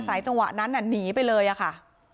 จังหวะนั้นหนีไปเลยอะค่ะ